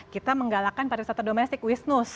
kita menggalakan pariwisata domestik wisnus